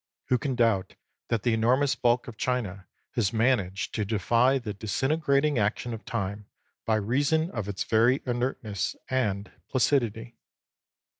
Who can doubt that the enormous bulk of China has managed to defy the disintegrating action of time by reason of its very inertness and placidity